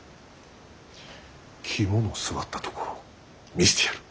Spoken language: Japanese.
肝の据わったところを見せてやる。